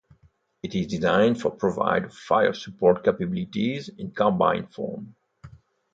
It is designed to provide a fire support capability in carbine form.